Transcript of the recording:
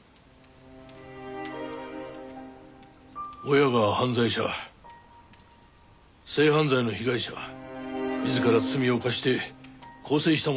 親が犯罪者性犯罪の被害者自ら罪を犯して更生した者。